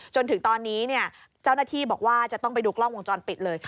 จนถึงตอนนี้เจ้าหน้าที่บอกว่าจะต้องไปดูกล้องวงจรปิดเลย